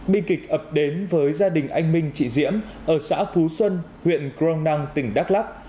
bi kịch ập đến với gia đình anh minh chị diễm ở xã phú xuân huyện crong năng tỉnh đắk lắc